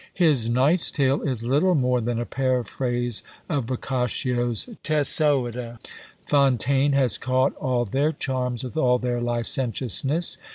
His "Knight's Tale" is little more than a paraphrase of "Boccaccio's Teseoide." Fontaine has caught all their charms with all their licentiousness.